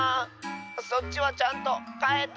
そっちはちゃんとかえた？